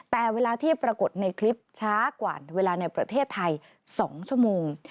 แต่เวลาที่ปรากฏในคลิปช้ากว่าเวลาในประเทศไทย๒ชั่วโมง